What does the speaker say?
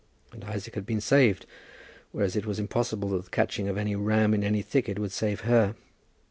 And Isaac had been saved; whereas it was impossible that the catching of any ram in any thicket could save her.